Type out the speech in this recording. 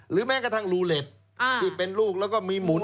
แม้กระทั่งลูเล็ตที่เป็นลูกแล้วก็มีหมุน